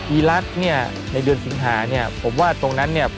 อีรักษ์ในเดือนสิงหาผมว่าตรงนั้น